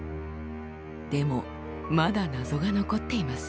でもまだ謎が残っています。